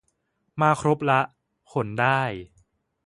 มาครบละ ขนได้